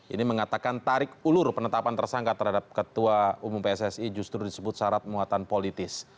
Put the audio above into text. ini mengatakan tarik ulur penetapan tersangka terhadap ketua umum pssi justru disebut syarat muatan politis